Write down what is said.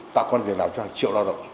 tạo quan việc làm cho hàng triệu lao động